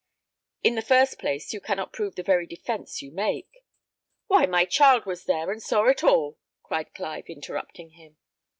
In the first place, you cannot prove the very defence you make " "Why, my child was there, and saw it all!" cried Clive, interrupting him.